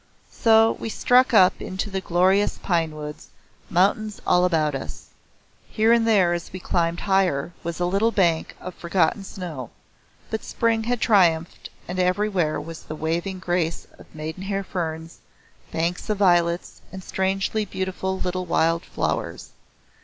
So we struck up into the glorious pine woods, mountains all about us. Here and there as we climbed higher was a little bank of forgotten snow, but spring had triumphed and everywhere was the waving grace of maiden hair ferns, banks of violets and strangely beautiful little wild flowers.